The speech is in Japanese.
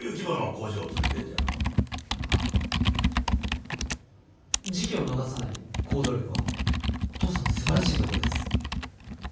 あ時機を逃さない行動力は父さんのすばらしいところです。